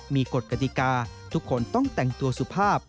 มีกฎกติกาทุกคนต้องแต่งตัวสุภาพ